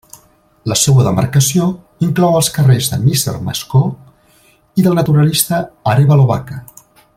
La seua demarcació inclou els carrers de Misser Mascó i del Naturalista Arévalo Baca.